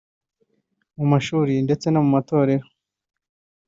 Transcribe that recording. mu mashuri ndetse no mu matorero